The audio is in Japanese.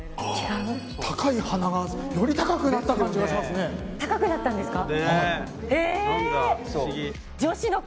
高い鼻がより高くなった感じがしますね。